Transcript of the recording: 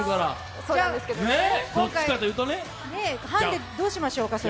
ハンデ、どうしましょうか。